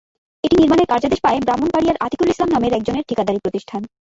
এটি নির্মাণের কার্যাদেশ পায় ব্রাহ্মণবাড়িয়ার আতিকুল ইসলাম নামের একজনের ঠিকাদারি প্রতিষ্ঠান।